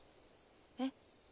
えっ？